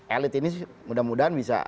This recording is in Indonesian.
elit ini mudah mudahan bisa